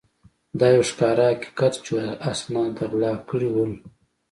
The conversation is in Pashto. دا یو ښکاره حقیقت وو چې اسناد ده غلا کړي ول.